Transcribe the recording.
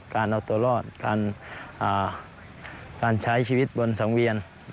การเอาตัวรอดการใช้ชีวิตบนสังเวียน